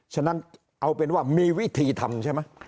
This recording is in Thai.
ฉะนั้นเอาเป็นว่ามีวิธีทำใช่ไหม